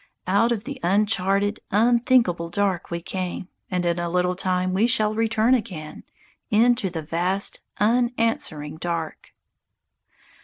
_Out of the uncharted, unthinkable dark we came, And in a little time we shall return again Into the vast, unanswering dark.